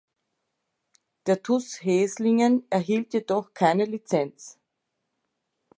Der TuS Heeslingen erhielt jedoch keine Lizenz.